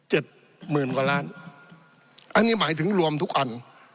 หมื่นกว่าล้านอันนี้หมายถึงรวมทุกอัน